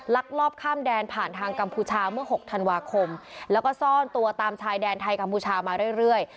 ลักลอบข้ามแดนผ่านทางกัมพูชาเมื่อ๖ธันวาคมแล้วก็ซ่อนตัวตามชายแดนไทยกัมพูชามาเรื่อย